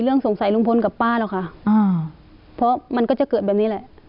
สงสัยลุงพลกับป้าหรอกค่ะอ่าเพราะมันก็จะเกิดแบบนี้แหละ